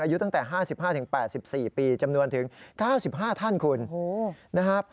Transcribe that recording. อายุตั้งแต่๕๕๘๔ปีจำนวนถึง๙๕ท่านคุณนะครับ